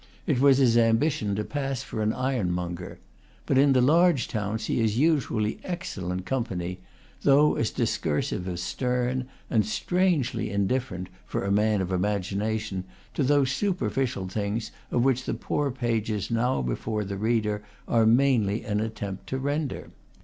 It was his ambition to pass for an ironmonger. But in the large towns he is usually excellent company, though as discursive as Sterne, and strangely indifferent, for a man of imagination, to those superficial aspects of things which the poor pages now before the reader are mainly an attempt to render.